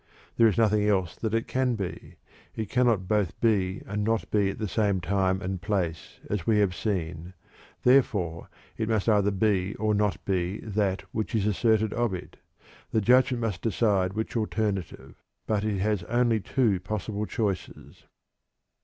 There is nothing else that it can be; it cannot both be and not be at the same time and place, as we have seen; therefore, it must either be or not be that which is asserted of it. The judgment must decide which alternative; but it has only two possible choices.